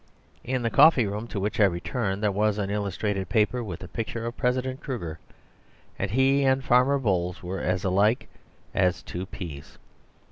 In the coffee room to which I returned there was an illustrated paper with a picture of President Kruger, and he and Farmer Bowles were as like as two peas.